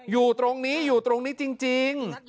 อยู่ตรงนี้อยู่ตรงนี้จริง